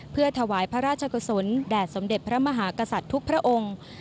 เพื่อถวายพระราชกุศลแด่สมเด็จพระมหากษัตริย์ทุกพระองค์